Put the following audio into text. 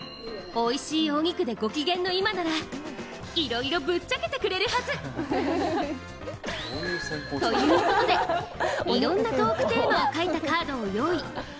おいしいお肉でご機嫌の今なら、いろいろぶっちゃけてくれるはず！ということで、いろんなトークテーマを書いたカードを用意。